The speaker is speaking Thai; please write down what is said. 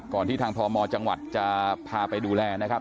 ก่อนที่ทางทอมมอร์จังหวัดจะพาไปดูแลนะครับ